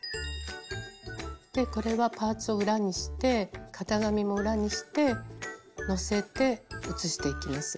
これはパーツを裏にして型紙も裏にしてのせて写していきます。